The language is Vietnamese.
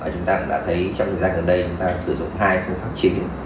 chúng ta cũng đã thấy trong thời gian gần đây chúng ta sử dụng hai phương pháp chính